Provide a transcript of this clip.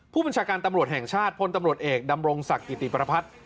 ผู้บัญชาการตำรวจแห่งชาติพลตำรวจเอกดำรงศักดิ์กิติประพัฒน์